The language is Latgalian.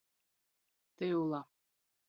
Tyula.